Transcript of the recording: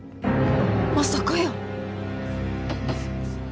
まさかやー。